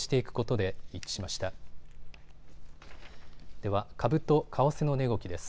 では株と為替の値動きです。